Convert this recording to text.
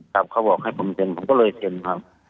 เขาบอกให้ผมเซ็นผมก็เลยเซ็นครับ